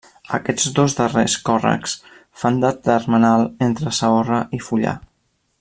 Aquests dos darrers còrrecs fan de termenal entre Saorra i Fullà.